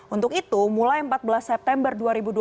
untuk itu mulai empat belas september dua ribu dua puluh